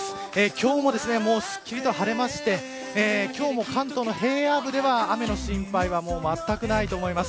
今日もすっきりと晴れて関東の平野部では雨の心配はまったくないと思います。